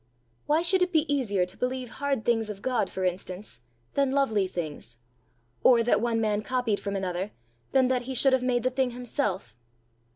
Why should it be easier to believe hard things of God, for instance, than lovely things? or that one man copied from another, than that he should have made the thing himself?